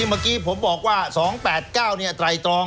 ที่เมื่อกี้ผมบอกว่า๒๘๙เนี่ยไตรตรอง